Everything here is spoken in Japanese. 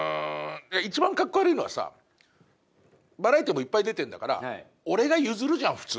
一番カッコ悪いのはさバラエティーもいっぱい出てんだから俺が譲るじゃん普通。